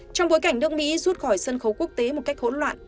trong bối cảnh nước mỹ rút khỏi sân khấu quốc tế một cách hỗn loạn